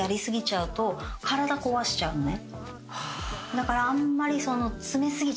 だからあんまり。